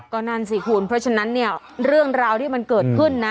ก็นั่นสิคุณเพราะฉะนั้นเนี่ยเรื่องราวที่มันเกิดขึ้นนะ